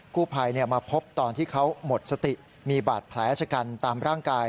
กู้ภัยมาพบตอนที่เขาหมดสติมีบาดแผลชะกันตามร่างกาย